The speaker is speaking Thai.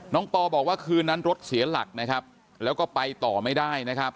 น้องป่าบอกว่าคืนนั้นรถเสียหลักแล้วก็ไปต่อไม่ได้